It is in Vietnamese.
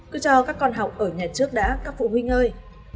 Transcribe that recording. cứ cho các con học ở nhà trước đã các phụ huynh ngơi